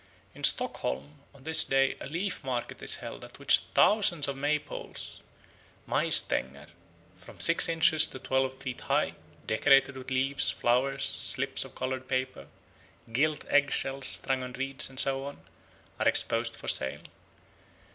In Stockholm on this day a leaf market is held at which thousands of May poles (Maj Stanger), from six inches to twelve feet high, decorated with leaves, flowers, slips of coloured paper, gilt egg shells strung on reeds, and so on, are exposed for sale.